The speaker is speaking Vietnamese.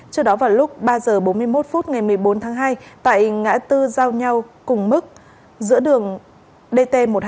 trước đó vào lúc ba h bốn mươi một phút ngày một mươi bốn tháng hai tại ngã tư giao nhau cùng mức giữa đường dt một trăm hai mươi